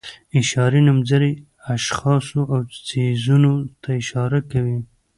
اشاري نومځري اشخاصو او څیزونو ته اشاره کوي.